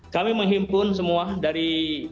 kami menghimpun semua dari